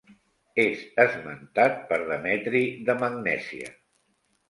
És esmentat per Demetri de Magnèsia.